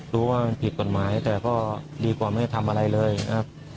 รู้ว่ามันผิดกฎหมายแต่ก็ดีกว่าไม่ได้ทำอะไรเลยครับ